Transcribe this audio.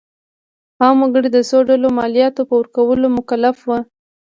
عام وګړي د څو ډوله مالیاتو په ورکولو مکلف وو.